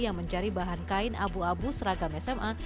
yang mencari bahan kain abu abu seragam sma